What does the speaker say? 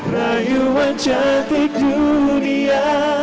layuan cantik dunia